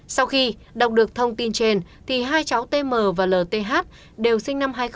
sau khi đọc được thông tin trên thì hai cháu tm và lth đều sinh năm hai nghìn